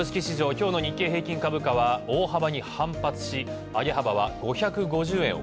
今日の日経平均株価は大幅に反発し上げ幅は５５０円を。